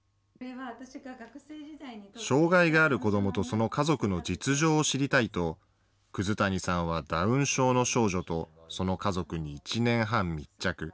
障害がある子どもとその家族の実情を知りたいと、葛谷さんはダウン症の少女とその家族に１年半密着。